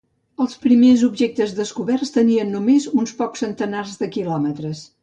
Els primers objectes descoberts tenien només un pocs centenars de quilòmetres.